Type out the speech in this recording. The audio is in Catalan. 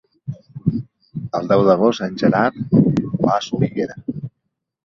El deu d'agost en Gerard va a Soriguera.